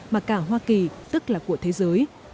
mà cả hoa kỳ tức là của thế giới